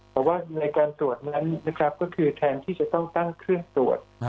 แต่ว่าในการตรวจนั้นนะครับก็คือแทนที่จะต้องตั้งเครื่องตรวจ